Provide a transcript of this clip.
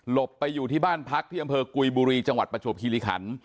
ไปอยู่ที่บ้านพักที่อำเภอกุยบุรีจังหวัดประจวบคิริขัน